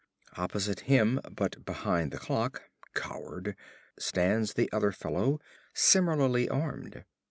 Opposite him, but behind the clock (Coward!), stands the other fellow, similarly armed.